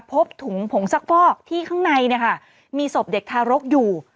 พบถุงผงซักฟอกที่ข้างในมีศพเด็กทารกอยู่